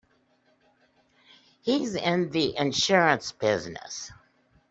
He's in the insurance business.